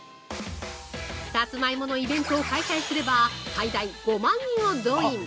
さつまいものイベントを開催すれば、最大５万人を動員！